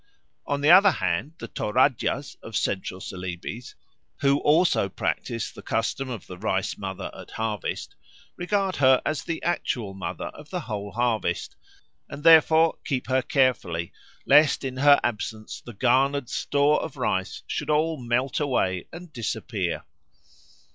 On the other hand the Toradjas of Central Celebes, who also practice the custom of the Rice mother at harvest, regard her as the actual mother of the whole harvest, and therefore keep her carefully, lest in her absence the garnered store of rice should all melt away and disappear.